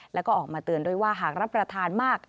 แล้วก็ออกมาเตือนด้วยว่าหากรับประทานมาก